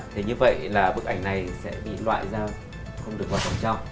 thì như vậy là bức ảnh này sẽ bị loại ra không được vào vòng trong